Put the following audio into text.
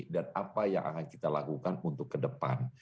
dan apa yang akan kita lakukan untuk ke depan